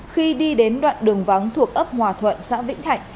khi đi đến đoạn đường vắng thuộc ấp hòa thuận xã vĩnh thạnh